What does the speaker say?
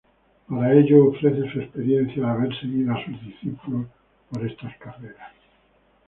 Para ello ofrece su experiencia de haber seguido a sus discípulos por estas carreras.